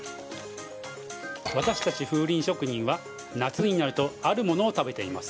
私たち風鈴職人は、夏になるとあるものを食べています。